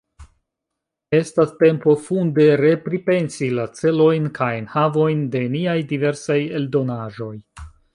Estas tempo funde repripensi la celojn kaj enhavojn de niaj diversaj eldonaĵoj.